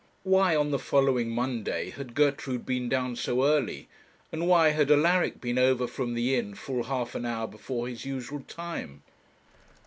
Why, on the following Monday, had Gertrude been down so early, and why had Alaric been over from the inn full half an hour before his usual time?